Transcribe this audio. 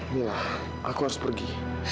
mila aku harus pergi